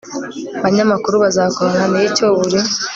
banyamakuru bazakorana n icyo buri